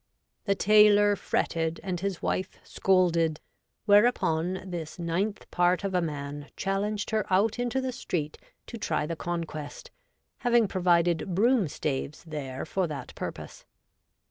The Taylor fretted, and his Wife scolded, whereupon this ninth part of a man challenged her out into the street to try the con quest, having provided broom staves there for that purpose.